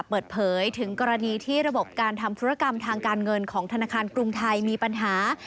เปิดเผยถึงกรณีที่ระบบการทำธุรกรรมทางการเงินของธนาคารกรุงไทยมีปัญหา